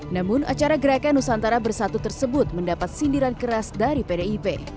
namun acara gerakan nusantara bersatu tersebut mendapat sindiran keras dari pdip